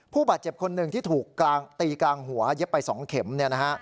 ผู้บาดเจ็บคนหนึ่งที่ถูกตีกลางหัวเย็บไป๒เข็ม